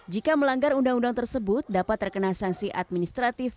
jika melanggar undang undang tersebut dapat terkena sanksi administratif